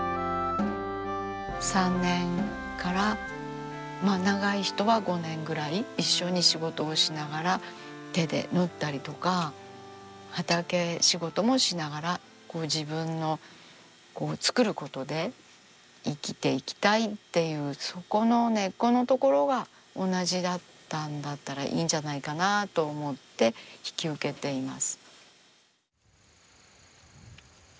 ３年から長い人は５年ぐらい一緒に仕事をしながら手で縫ったりとか畑仕事もしながら自分の作ることで生きていきたいっていうそこの根っこのところが同じだったんだったらいいんじゃないかなと思って引き受けています。